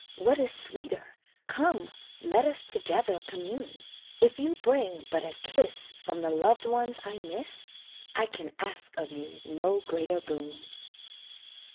what is sweeter, Come, let us together commune, If you bring but a kiss From the loved ones I miss, I can ask of you no greater boon.